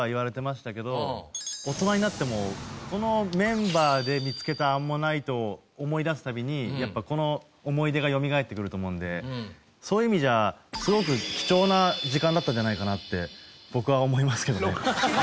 大人になってもこのメンバーで見つけたアンモナイトを思い出す度にやっぱりこの思い出がよみがえってくると思うのでそういう意味じゃすごく貴重な時間だったんじゃないかなって僕は思いますけどね。